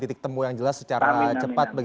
titik temu yang jelas secara cepat